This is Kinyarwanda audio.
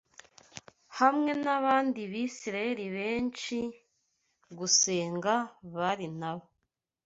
hamwe n’abandi Bisirayeli benshi gusenga Bali na bo